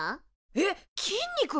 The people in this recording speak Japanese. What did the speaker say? えっ筋肉！？